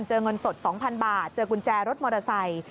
เงินสด๒๐๐๐บาทเจอกุญแจรถมอเตอร์ไซค์